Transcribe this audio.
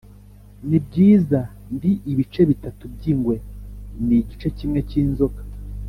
nibyiza ndi ibice bitatu byingwe nigice kimwe cy'inzoka